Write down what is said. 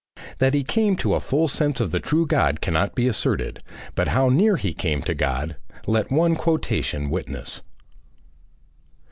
That he came to a full sense of the true God cannot be asserted, but how near he came to God, let one quotation witness.